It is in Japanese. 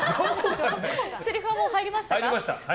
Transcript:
せりふはもう入りましたか？